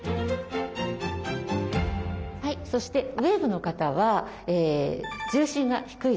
そしてウエーブの方は重心が低いです。